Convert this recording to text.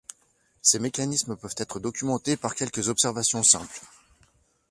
Ces mécanismes peuvent être documentés par quelques observations simples.